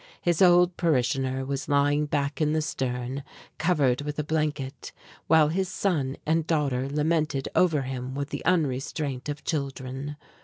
His old parishioner was lying back in the stern, covered with a blanket, while his son and daughter lamented over him with the unrestraint of children.